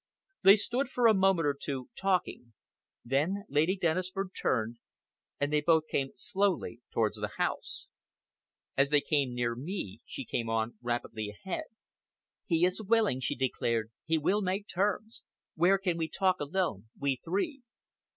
They stood for a moment or two talking; then Lady Dennisford turned, and they both came slowly towards the house. As they drew near me, she came on rapidly ahead. "He is willing," she declared. "He will make terms. Where can we talk alone, we three?"